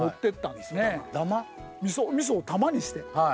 みそを玉にして。